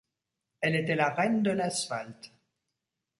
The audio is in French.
Elle était la reine de l’asphalte.